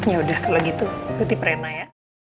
ya udah kalau gitu ikuti prerna ya